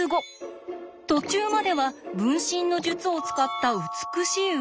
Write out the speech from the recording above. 途中までは「分身の術」を使った美しい動きですが。